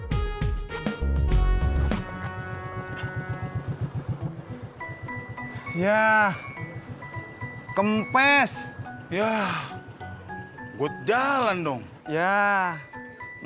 oh siapa yang nyawanya olla robert devient dewa nol de lo yang pantas sayang